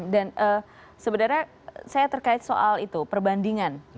dan sebenarnya saya terkait soal itu perbandingan